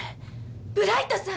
ブライトさん！